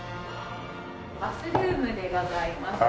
バスルームでございます。